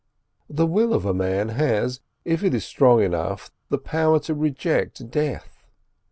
The will of a man has, if it is strong enough, the power to reject death.